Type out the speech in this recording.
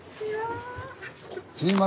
すいません